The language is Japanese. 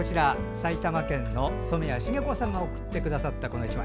埼玉県の染谷重子さんが送ってくださった１枚。